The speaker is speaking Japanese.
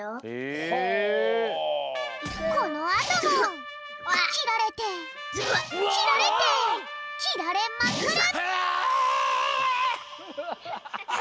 このあともきられてきられてきられまくる！